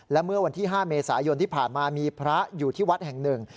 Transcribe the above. และเมื่อวันที่๕เมษายนที่ผ่านมามีพระอยู่ที่วัดแห่งหนึ่ง